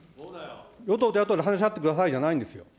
与党と野党で話し合ってくださいじゃないんですよ。